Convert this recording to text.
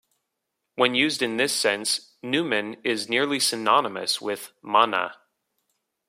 When used in this sense, "numen" is nearly synonymous with "mana".